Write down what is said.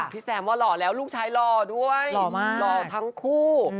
แซมว่าหล่อแล้วลูกชายหล่อด้วยหล่อทั้งคู่